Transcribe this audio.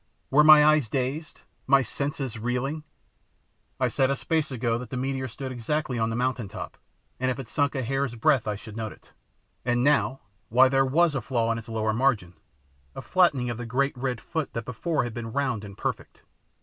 Were my eyes dazed, my senses reeling? I said a space ago that the meteor stood exactly on the mountain top and if it sunk a hair's breadth I should note it; and now, why, there WAS a flaw in its lower margin, a flattening of the great red foot that before had been round and perfect.